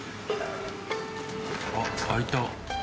あっ開いた。